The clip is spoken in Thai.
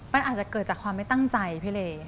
มันอาจจะเกิดจากความไม่ตั้งใจพี่เล